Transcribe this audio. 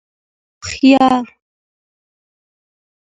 ويهاره